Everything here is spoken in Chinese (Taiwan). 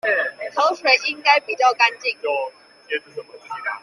河水應該比較乾淨